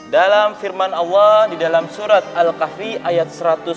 dalam firman allah di dalam surat al kahri ayat satu ratus delapan